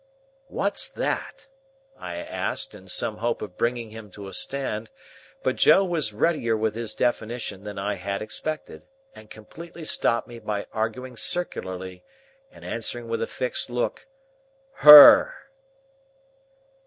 "What's that?" I asked, in some hope of bringing him to a stand. But Joe was readier with his definition than I had expected, and completely stopped me by arguing circularly, and answering with a fixed look, "Her."